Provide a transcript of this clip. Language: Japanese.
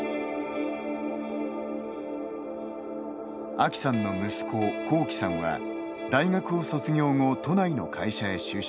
あきさんの息子・こうきさんは大学を卒業後、都内の会社へ就職。